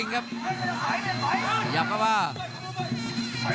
รับทราบบรรดาศักดิ์